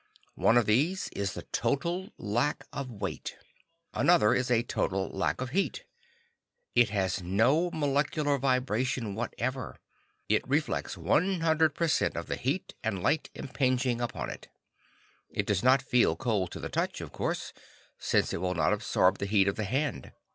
One of these is the total lack of weight. Another is a total lack of heat. It has no molecular vibration whatever. It reflects 100 percent of the heat and light impinging upon it. It does not feel cold to the touch, of course, since it will not absorb the heat of the hand.